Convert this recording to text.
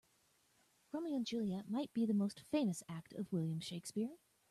Romeo and Juliet might be the most famous act of William Shakespeare.